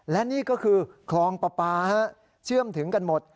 และนี่ก็คือคลองปลาปลาเชื่อมถึงกันหมด